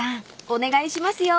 お願いしますよ］